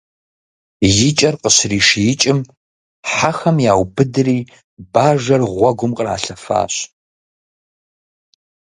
И кӀэр къыщришиикӀым, хьэхэм яубыдри бажэр гъуэм къралъэфащ.